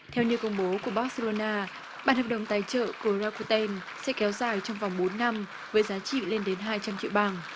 theo như công bố của barcelona bản hợp đồng tài trợ của racoteen sẽ kéo dài trong vòng bốn năm với giá trị lên đến hai trăm linh triệu bảng